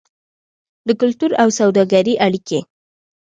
د کلتور او سوداګرۍ اړیکې.